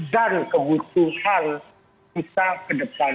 dan kebutuhan kita ke depan